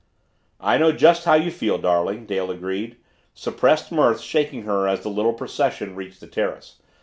"I know just how you feel, darling," Dale agreed, suppressed mirth shaking her as the little procession reached the terrace.